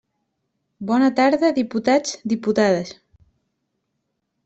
Bona tarda, diputats, diputades.